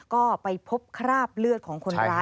ก็ไปพบคราบเลือดของคนร้าย